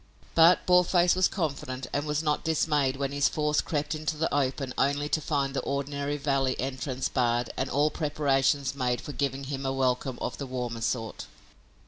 But Boarface was confident and was not dismayed when his force crept into the open only to find the ordinary valley entrance barred and all preparations made for giving him a welcome of the warmer sort.